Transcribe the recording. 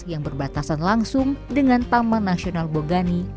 yang berbatasan langsung dengan taman nasional bogani